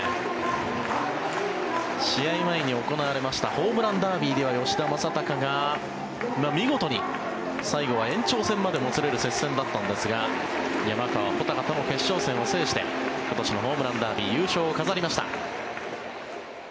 試合前に行われましたホームランダービーでは吉田正尚が見事に最後は延長戦までもつれる接戦だったんですが山川穂高との決勝戦を制して今年のホームランダービー優勝を飾りました。